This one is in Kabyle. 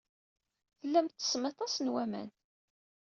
Tellam tettessem aṭas n waman.